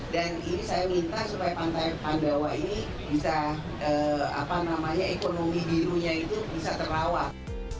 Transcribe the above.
dan ini saya minta supaya pantai pandawa ini bisa apa namanya ekonomi birunya itu bisa terawat